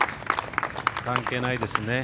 関係ないですね。